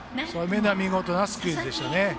見事なスクイズでした。